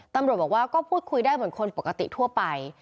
ตำรวจบอกว่าก็พูดคุยได้เหมือนคนปกติทั่วไป